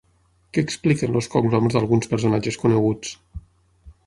Què expliquen els cognoms d’alguns personatges coneguts?